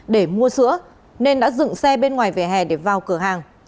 để mua sữa nên đã dựng xe bên ngoài vỉa hè để vào cửa hàng